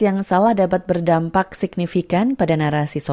dan juga mengakibatkan pemerintah